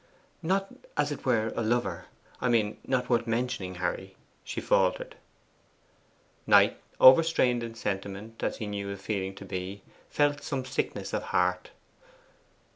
'Not, as it were, a lover; I mean, not worth mentioning, Harry,' she faltered. Knight, overstrained in sentiment as he knew the feeling to be, felt some sickness of heart.